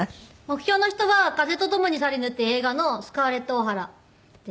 目標の人は『風と共に去りぬ』っていう映画のスカーレット・オハラっていう。